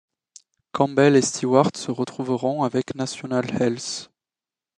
Campbell et Stewart se retrouveront avec National Health.